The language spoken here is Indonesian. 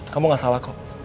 kamu gak salah kok